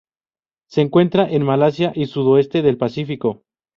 Se encuentra en Malasia y sudoeste del Pacífico.